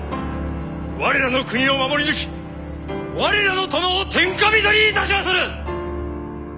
我らの国を守り抜き我らの殿を天下人にいたしまする！